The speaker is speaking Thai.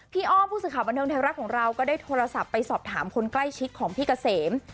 อ้อมผู้สื่อข่าวบันเทิงไทยรัฐของเราก็ได้โทรศัพท์ไปสอบถามคนใกล้ชิดของพี่เกษม